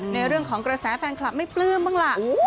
ในเรื่องของกระแสแฟนคลับไม่ปลื้มบ้างล่ะ